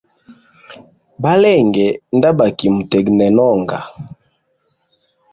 Balenge ndabaki mutegnena onga.